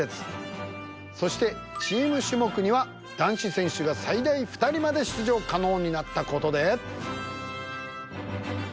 そしてチーム種目には男子選手が最大２人まで出場可能になった事で。